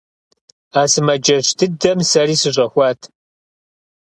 А сымаджэщ дыдэм сэри сыщӀэхуат.